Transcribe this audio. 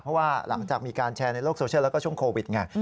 เพราะว่าหลังจากมีการแชร์ในโลกโซเชียลแล้วก็ช่วงโควิดไง